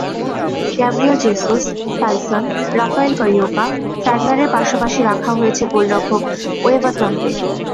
Gabriel Jesus, Taison, Raphael Carioca, ফ্যাগনারের পাশাপাশি রাখা হয়েছে গোলরক্ষক ওয়েভারটনকে।